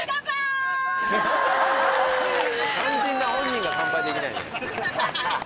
肝心な本人が乾杯できない。